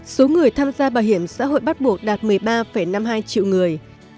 số người tham gia bảo hiểm xã hội bắt buộc đạt một mươi ba năm mươi hai triệu người